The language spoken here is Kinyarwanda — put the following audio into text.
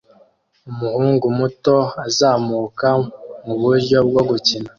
Umuhungu muto azamuka muburyo bwo gukina